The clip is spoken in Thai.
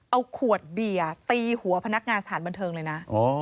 เอาขวดเบียร์ตีหัวพนักงานสถานบันเทิงเลยนะ